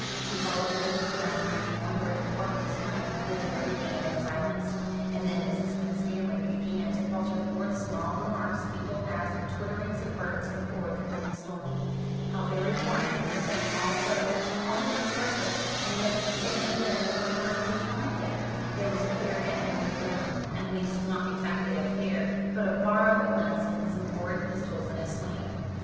She followed them to the dining room, wondering what was coming. The dinner began in silence, and then Mrs. Winstanley began to falter forth small remarks, feeble as the twitterings of birds before the coming storm. How very warm it had been all day, almost oppressive: and yet it had been a remarkably fine day. There was a fair at Emery Down at least not exactly a fair, but a barrow of nuts and some horrid pistols, and a swing.